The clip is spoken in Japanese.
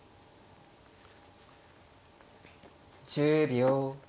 １０秒。